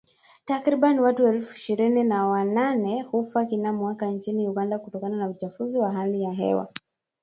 Takriban watu elfu ishirini na wanane hufa kila mwaka nchini Uganda kutokana na uchafuzi wa hali ya hewa